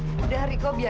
aku udah lupa bobel